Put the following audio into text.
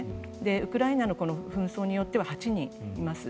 ウクライナの紛争によっては８人います。